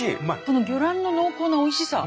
この魚卵の濃厚なおいしさ。